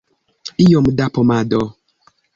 Iom da pomado?